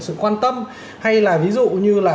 sự quan tâm hay là ví dụ như là